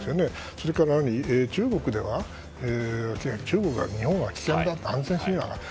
それから、中国では日本は危険だ、安全神話だと。